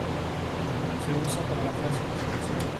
Se encuentra al norte del Cervino y al noroeste de Zermatt.